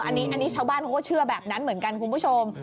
อันนี้ชาวบ้านเขาก็เชื่อแบบนั้นเหมือนกันคุณผู้ชม